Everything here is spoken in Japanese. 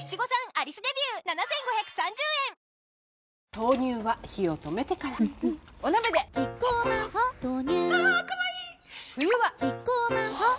豆乳は火を止めてからうんうんお鍋でキッコーマン「ホッ」豆乳あかわいい冬はキッコーマン「ホッ」